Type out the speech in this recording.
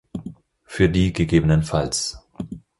Für die ggf.